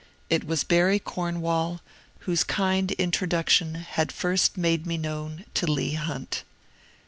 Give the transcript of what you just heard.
It was Barry Cornwall, whose kind introduction had first made me known to Leigh Hunt.